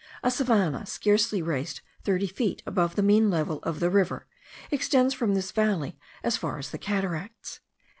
A savannah, scarcely raised thirty feet above the mean level of the river, extends from this valley as far as the cataracts.